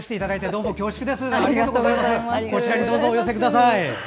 ＮＨＫにどうぞお寄せください。